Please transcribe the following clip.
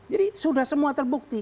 jadi sudah semua terbukti